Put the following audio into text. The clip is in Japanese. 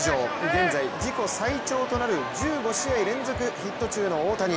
現在、自己最長となる１５試合連続ヒット中の大谷。